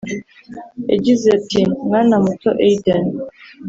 yagize ati “Mwana muto Ayden